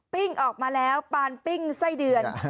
ออกมาแล้วปานปิ้งไส้เดือน